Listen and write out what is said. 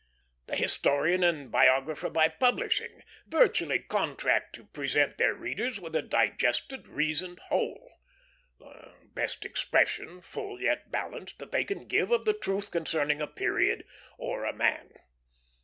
The historian and biographer by publishing virtually contract to present their readers with a digested, reasoned whole; the best expression, full yet balanced, that they can give of the truth concerning a period, or a man.